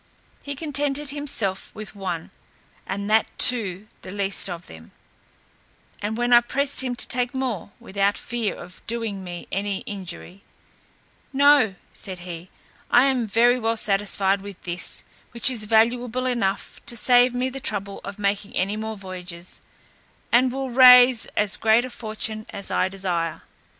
He contented himself with one, and that too the least of them; and when I pressed him to take more, without fear of doing me any injury, "No," said he, "I am very well satisfied with this, which is valuable enough to save me the trouble of making any more voyages, and will raise as great a fortune as I desire."